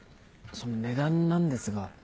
その値段なんですが。